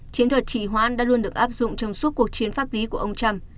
chiến thuật chỉ hoãn đã luôn được áp dụng trong suốt cuộc chiến pháp lý của ông trump